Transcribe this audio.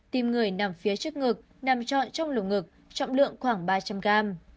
tim người nằm phía trước ngực nằm trọn trong lông ngực trọng lượng khoảng ba trăm linh gram